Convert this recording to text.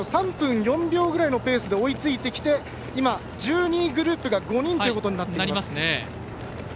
３分４秒ぐらいのペースで追いついてきて今、１２位グループが５人ということになっています。